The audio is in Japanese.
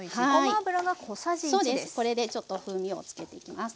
これでちょっと風味をつけていきます。